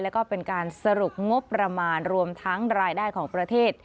แล้วก็เป็นการสรุปงบประมาณรวมทั้งรายได้ของประเทศ